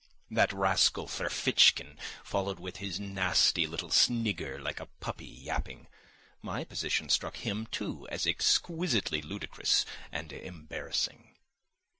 That rascal Ferfitchkin followed with his nasty little snigger like a puppy yapping. My position struck him, too, as exquisitely ludicrous and embarrassing.